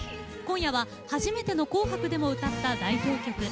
今夜は初めての「紅白」でも歌った代表曲